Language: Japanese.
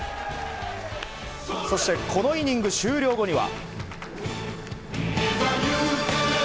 そしてこのイニング終了後には。